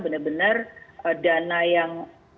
benar benar dana yang